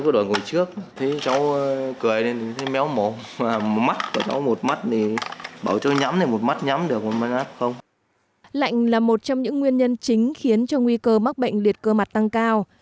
lạnh là một trong những nguyên nhân chính khiến cho nguy cơ mắc bệnh liệt cơ mặt tăng cao